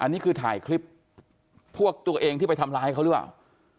อันนี้คือถ่ายคลิปพวกตัวเองที่ไปทำร้ายเขาหรือเปล่า